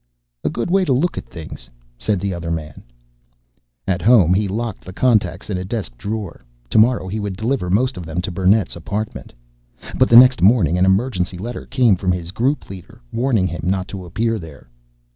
"A good way to look at things," said the other man. At home he locked the contacts in a desk drawer. Tomorrow he would deliver most of them to Burnett's apartment. But the next morning an emergency letter came from his group leader, warning him not to appear there.